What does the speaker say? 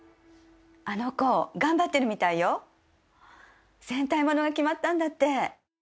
あの子頑張ってるみたいよ戦隊物が決まったんだって。